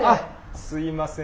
すいません